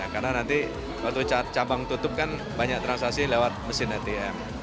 karena nanti waktu cabang tutup kan banyak transaksi lewat mesin atm